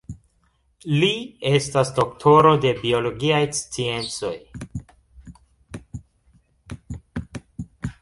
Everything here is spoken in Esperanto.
Li estas doktoro de biologiaj sciencoj.